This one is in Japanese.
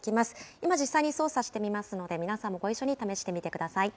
今、実際に操作してみますので、皆さんもご一緒に試してみてください。